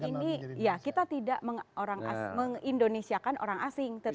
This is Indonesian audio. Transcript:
ini ya kita tidak mengindonesiakan orang asing